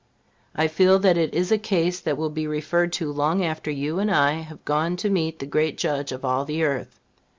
I feel that it is a case that will be referred to long after you and I have gone to meet the great Judge of all the earth.